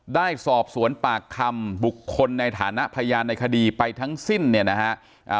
ได้สอบสวนปากคำบุคคลในฐานะพยานในคดีไปทั้งสิ้นเนี่ยนะฮะ